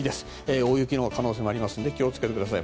大雪の可能性もあるので気を付けてください。